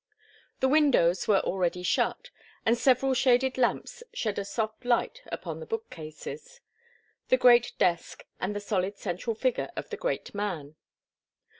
The windows were already shut, and several shaded lamps shed a soft light upon the bookcases, the great desk and the solid central figure of the great man.